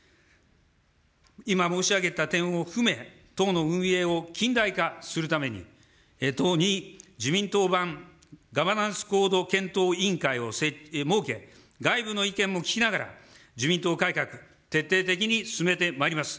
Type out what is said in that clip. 今申し上げた点を含め、党の運営を近代化するために、党に自民党版ガバナンス行動検討委員会を設け、外部の意見も聞きながら、自民党改革、徹底的に進めてまいります。